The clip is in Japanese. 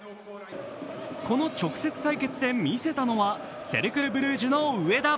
この直接対決で見せたのは、セルクル・ブリュージュの上田。